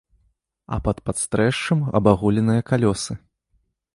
А пад падстрэшшам абагуленыя калёсы.